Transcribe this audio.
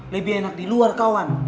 lebih enak di luar kawan